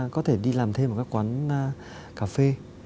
có thể đi làm thêm ở các quán cà phê